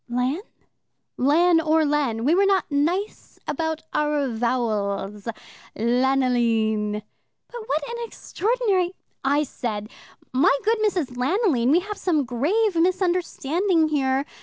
"Lan?" "Lan or Len. We were not nice about our vowels. Lanoline." "But what an extraordinary " "I said, 'My good Mrs. Lanoline, we have some grave misunderstanding here.